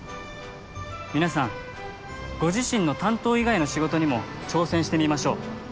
皆さんご自身の担当以外の仕事にも挑戦してみましょう！